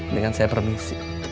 dengan saya permisi